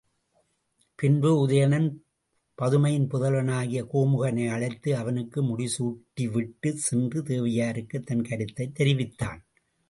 பின்பு உதயணன் பதுமையின் புதல்வனாகிய கோமுகனை அழைத்து அவனுக்கு முடிசூட்டிவிட்டுச் சென்று தேவியருக்குத் தன் கருத்தைத் தெரிவித்தான்.